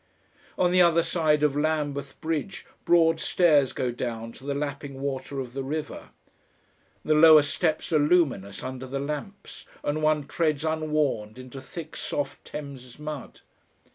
On the other side of Lambeth Bridge broad stairs go down to the lapping water of the river; the lower steps are luminous under the lamps and one treads unwarned into thick soft Thames mud.